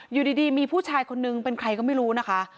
อยู่ดีมีผู้ชายคนนึงเป็นใครก็ไม่รู้นะคะ